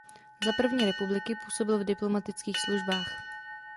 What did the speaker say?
Za první republiky působil v diplomatických službách.